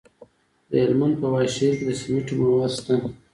د هلمند په واشیر کې د سمنټو مواد شته.